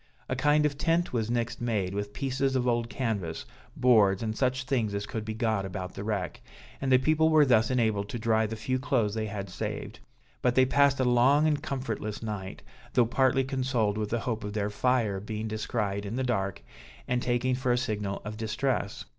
A kind of tent was next made, with pieces of old canvass, boards, and such things as could be got about the wreck, and the people were thus enabled to dry the few clothes they had saved. But they passed a long and comfortless night, though partly consoled with the hope of their fire being descried in the dark, and taken for a signal of distress.